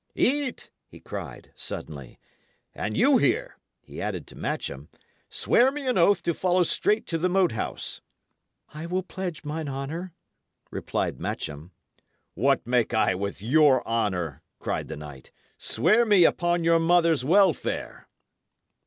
"Eat!" he cried, suddenly. "And you here," he added to Matcham, "swear me an oath to follow straight to the Moat House." "I will pledge mine honour," replied Matcham. "What make I with your honour?" cried the knight. "Swear me upon your mother's welfare!"